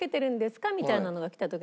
みたいなのが来た時に。